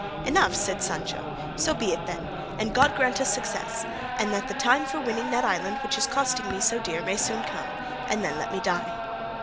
"Enough," said Sancho; "so be it then, and God grant us success, and that the time for winning that island which is costing me so dear may soon come, and then let me die."